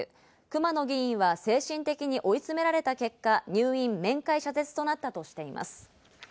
熊野議員は精神的に追い詰められた結果、入院面会謝絶となったとしています。